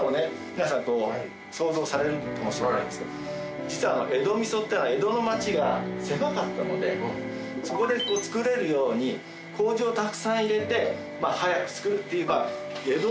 皆さん想像されるかもしれないんですけど実は江戸味噌ってのは江戸の町が狭かったのでそこで造れるようにこうじをたくさん入れて早く造るっていう江戸独特の技術で。